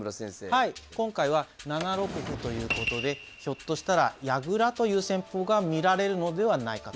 はい今回は７六歩ということでひょっとしたら矢倉という戦法が見られるのではないかと。